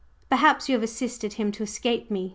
"Perhaps you have assisted him to escape me!"